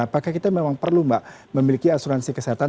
apakah kita memang perlu mbak memiliki asuransi kesehatan